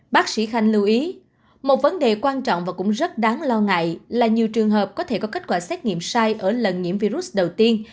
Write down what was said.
bác sĩ khanh lưu ý một vấn đề quan trọng và cũng rất đáng lo ngại là nhiều trường hợp có thể có kết quả xét nghiệm sai ở lần nhiễm virus đầu tiên